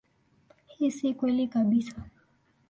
Hii si kweli kabisa.